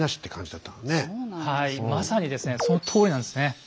まさにですねそのとおりなんですね。